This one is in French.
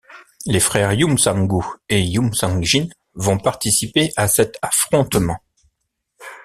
Les frères Yum Sang-gu et Yum Sang-jin vont participer à cet affrontement.